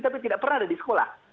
tapi tidak pernah ada di sekolah